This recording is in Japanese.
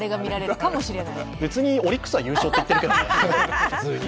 別にオリックスは普通に優勝って言っているけどね。